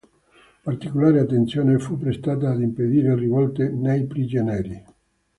Particolare attenzione fu prestata ad impedire rivolte dei prigionieri.